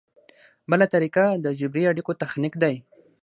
بله طریقه د جبري اړیکو تخنیک دی.